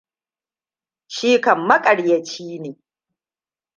Shi kam maƙaryaci ne.